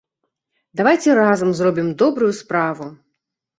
Давайце разам зробім добрую справу!